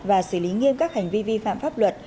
và xử lý nghiêm các hành vi vi phạm pháp luật